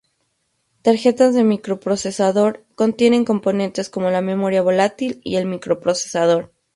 Tarjetas de microprocesador contienen componentes como la memoria volátil y el microprocesador.